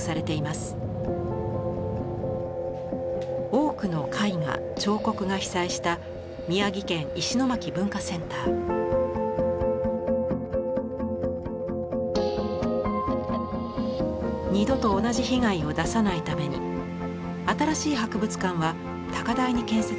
多くの絵画彫刻が二度と同じ被害を出さないために新しい博物館は高台に建設されました。